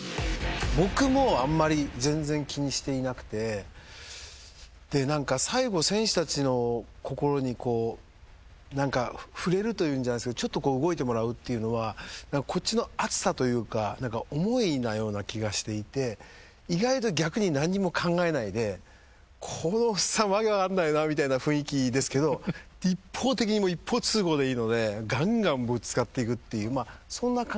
僕もあんまり全然気にしていなくて何か最後選手たちの心に触れるというんじゃないですけどちょっと動いてもらうっていうのはこっちの熱さというか思いなような気がしていて意外と逆に何にも考えないでこのおっさん訳分かんないなみたいな雰囲気ですけど一方的に一方通行でいいのでガンガンぶつかっていくっていうそんな感覚しか。